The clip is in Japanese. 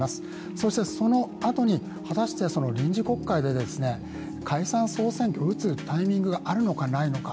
そしてそのあとに果たして臨時国会で解散総選挙を打つタイミングがあるのかないのか。